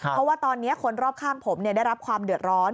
เพราะว่าตอนนี้คนรอบข้างผมได้รับความเดือดร้อน